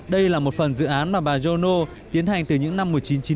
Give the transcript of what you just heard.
đây là một phần dự án mà bà jono tiến hành từ những năm một nghìn chín trăm chín mươi